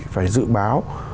phải dự báo